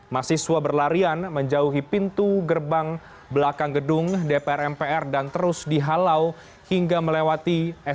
mahasiswa berlarian menjauhi pintu gerbang belakang gedung dpr mpr dan terus dihalau hingga melewati